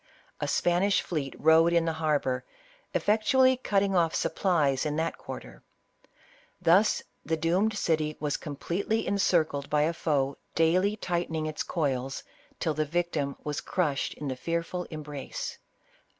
A Spanish fleet rode in the harbor, effectually cutting off supplies in that quarter. Thus the doomed city was completely encircled by a foe daily tightening its coils, till the vic tim was crushed in the fearful embrace.